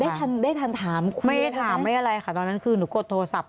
ได้ทำได้ทำถามไม่ได้ถามไม่ได้อะไรค่ะตอนนั้นคือหนูกดโทรศัพท์